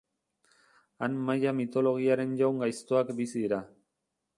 Han maia mitologiaren jaun gaiztoak bizi dira.